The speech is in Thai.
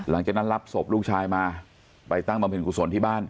หลังจากนั้นรับศพลูกชายมาไปตั้งบำเพ็ญกุศลที่บ้าน